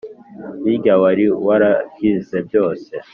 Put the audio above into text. birya wari warahize byose